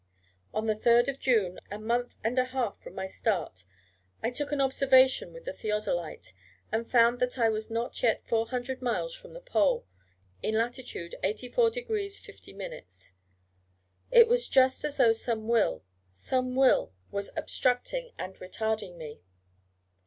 On the 3rd June, a month and a half from my start, I took an observation with the theodolite, and found that I was not yet 400 miles from the Pole, in latitude 84° 50'. It was just as though some Will, some Will, was obstructing and retarding me.